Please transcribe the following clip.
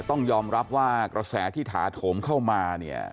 ต้องยอมรับว่ากระแสที่ถาโถมเข้ามาเนี่ย